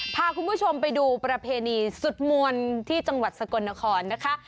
พาคุณผู้ชมไปดูประเพณีสุดมวลที่จังหวัดสกลนครนะคะ